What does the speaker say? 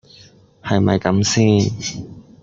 係咪咁先